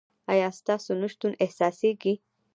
ایا ستاسو نشتون احساسیږي؟